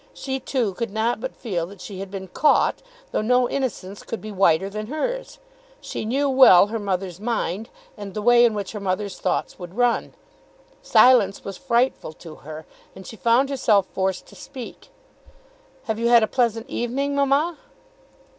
She, too, could not but feel that she had been caught, though no innocence could be whiter than hers. She knew well her mother's mind, and the way in which her mother's thoughts would run. Silence was frightful to her, and she found herself forced to speak. "Have you had a pleasant evening, mamma?"